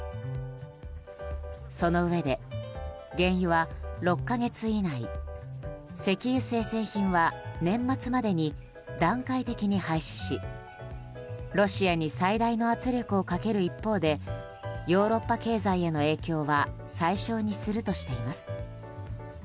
そのうえで、原油は６か月以内石油精製品は年末までに段階的に廃止しロシアに最大の圧力をかける一方でヨーロッパ経済への影響は最小にするとしています。